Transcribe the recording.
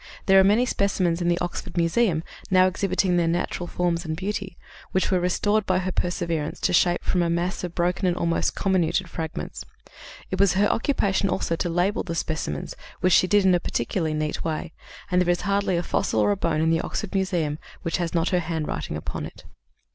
There are many specimens in the Oxford Museum, now exhibiting their natural forms and beauty, which were restored by her perseverance to shape from a mass of broken and almost comminuted fragments. It was her occupation also to label the specimens, which she did in a particularly neat way; and there is hardly a fossil or a bone in the Oxford Museum which has not her handwriting upon it.